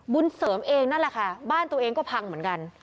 บุญเสริมเองนั่นแหละค่ะบ้านตัวเองก็พังเหมือนกัน